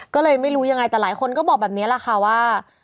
ก็เลยไม่รู้ยังไงแต่หลายคนก็บอกแบบนี้แหละค่ะว่า